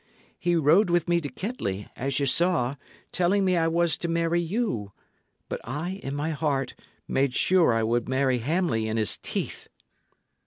He rode with me to Kettley, as ye saw, telling me I was to marry you; but I, in my heart, made sure I would marry Hamley in his teeth."